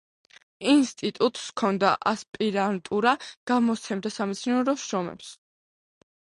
ინსტიტუტს ჰქონდა ასპირანტურა, გამოსცემდა სამეცნიერო „შრომებს“.